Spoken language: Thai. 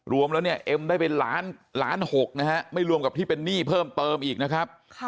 รวมแล้วเนี่ยเอ็มได้เป็นล้านล้านหกนะฮะไม่รวมกับที่เป็นหนี้เพิ่มเติมอีกนะครับ